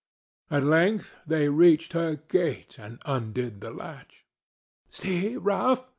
At length they reached her gate and undid the latch. "See, Ralph!"